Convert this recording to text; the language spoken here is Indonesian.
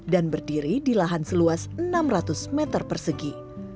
dan berdiri di lahan seluas enam ratus meter persegi